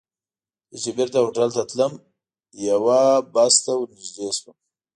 زه چې بېرته هوټل ته تلم، یوه بس ته ور نږدې شوم.